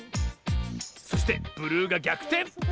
そしてブルーがぎゃくてん！